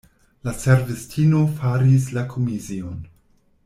La servistino faris la komision.